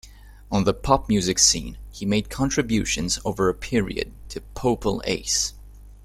On the pop music scene he made contributions over a period to Popol Ace.